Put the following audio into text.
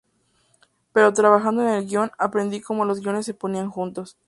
Pero trabajando en el guion, aprendí cómo los guiones se ponían juntos.